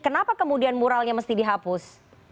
kenapa kemudian muralnya mesti dihapus